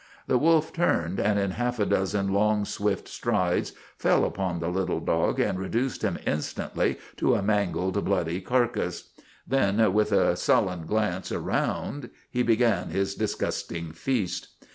The wolf turned, and in half a dozen long, swift strides, fell upon the little dog and reduced him instantly to a mangled, bloody car cass. Then, with a sullen glance around, he began his disgusting feast.